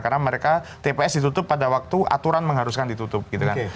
karena mereka tps ditutup pada waktu aturan mengharuskan ditutup gitu kan